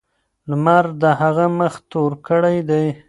لمر د هغه مخ تور کړی دی.